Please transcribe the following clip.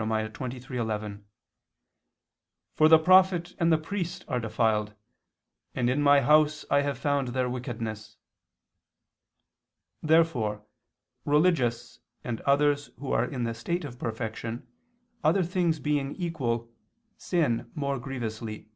23:11): "For the prophet and the priest are defiled; and in My house I have found their wickedness." Therefore religious and others who are in the state of perfection, other things being equal, sin more grievously.